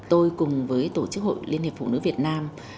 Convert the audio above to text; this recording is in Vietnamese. tôi cùng với tổ chức hội liên hiệp phụ nữ việt nam